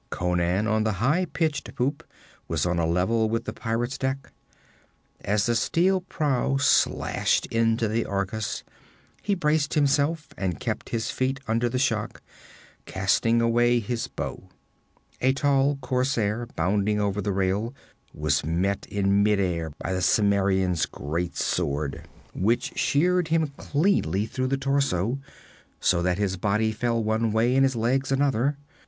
Conan, on the high pitched poop, was on a level with the pirate's deck. As the steel prow slashed into the Argus, he braced himself and kept his feet under the shock, casting away his bow. A tall corsair, bounding over the rail, was met in midair by the Cimmerian's great sword, which sheared him cleanly through the torso, so that his body fell one way and his legs another.